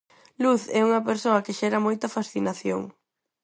Luz é unha persoa que xera moita fascinación.